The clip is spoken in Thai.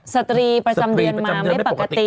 สตรีประจำเดือนมาไม่ปกติ